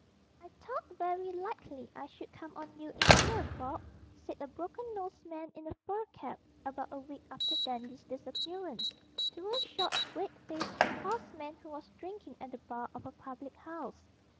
'I thought werry likely I should come on you in 'ere, Bob,' said a broken nosed man in a fur cap, about a week after Dandy's disappearance, to a short, red faced, hoarse man who was drinking at the bar of a public house.